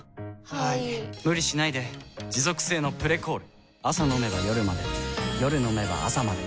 はい・・・無理しないで持続性の「プレコール」朝飲めば夜まで夜飲めば朝まで